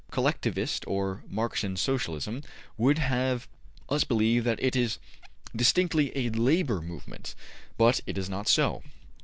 Collectivist or Marxian Socialism would have us believe that it is distinctly a LABOR Movement; but it is not so.